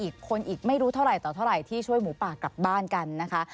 อีกคนอีกไม่รู้เท่าไหร่ต่อเท่าไหร่ที่ช่วยหมูป่ากลับบ้านกันนะคะ